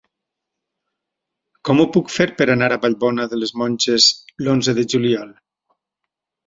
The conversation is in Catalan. Com ho puc fer per anar a Vallbona de les Monges l'onze de juliol?